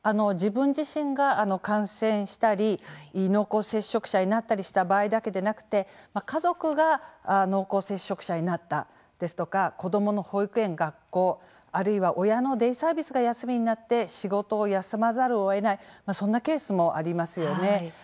自分自身が感染したり濃厚接触者になったりした場合だけでなくて家族が濃厚接触者になったですとか子どもの保育園、学校あるいは親のデイサービスが休みになって仕事を休まざるをえないこんなケースもありますよね。